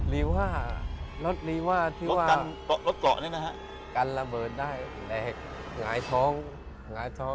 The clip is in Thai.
รีว่ารถรีว่าที่ว่าการระเบิดได้แหลกหงายท้อง